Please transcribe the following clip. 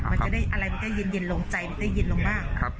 มันจะได้อะไรมันจะได้เย็นเย็นลงใจมันจะได้เย็นลงมากครับ